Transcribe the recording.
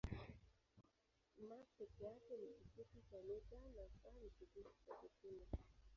m peke yake ni kifupi cha mita na s ni kifupi cha sekunde.